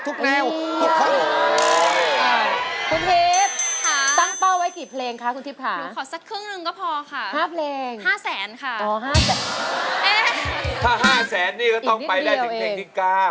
พูดแล้วก็ดีใจ